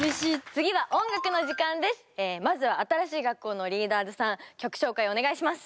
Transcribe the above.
次はまずは新しい学校のリーダーズさん曲紹介お願いします。